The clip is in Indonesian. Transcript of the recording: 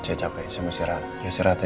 saya capek saya mau istirahat ya istirahat ya